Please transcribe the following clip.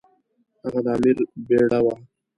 هغه د امیر بیړه وه.